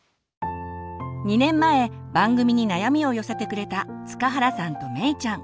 ２年前番組に悩みを寄せてくれた塚原さんとめいちゃん。